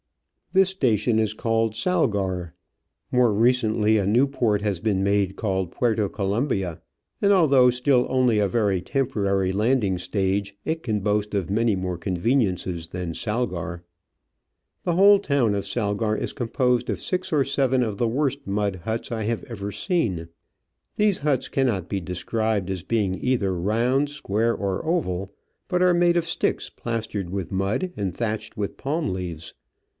This station is called Salgar. More recently a new port has been made, called Puerto Colombia, and, although still only a very temporary landing stage, it can boast of many more conveniences than Salgar. The whole of the town of Salgar is composed of six or seven of the worst mud huts I have ever Digitized by VjOOQIC 40 Travels and Adventures seen. These huts cannot be described as being either round, square, or oval, but are made of sticks plastered with mud and tliatched with palm leaves.